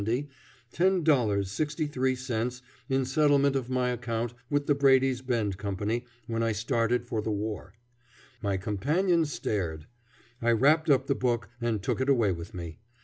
63 in settlement of my account with the Brady's Bend Company when I started for the war. My companion stared. I wrapped up the book and took it away with me.